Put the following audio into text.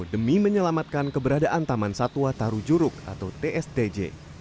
demi menyelamatkan keberadaan taman satwa taru juruk atau tsdj